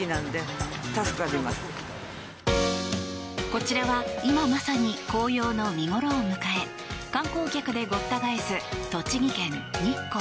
こちらは、今まさに紅葉の見ごろを迎え観光客でごった返す栃木県日光。